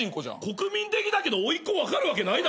国民的だけどおいっ子分かるわけないだろ。